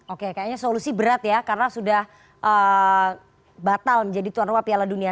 oke kayaknya solusi berat ya karena sudah batal menjadi tuan rumah piala dunia